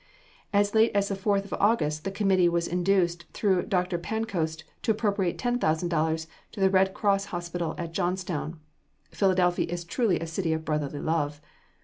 As late as the 4th of August the committee was induced through Dr. Pancoast to appropriate $10,000 to the Red Cross Hospital in Johnstown. Philadelphia is truly a city of "brotherly love."